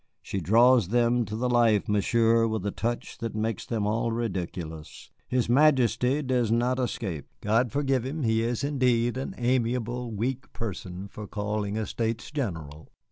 She draws them to the life, Monsieur, with a touch that makes them all ridiculous. His Majesty does not escape. God forgive him, he is indeed an amiable, weak person for calling a States General.